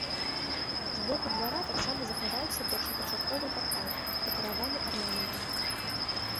З боку двара таксама захаваўся першапачатковы партал, дэкараваны арнаментам.